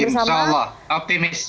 insya allah optimis